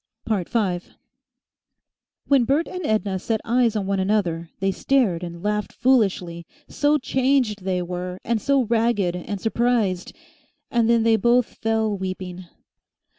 5 When Bert and Edna set eyes on one another, they stared and laughed foolishly, so changed they were, and so ragged and surprised. And then they both fell weeping.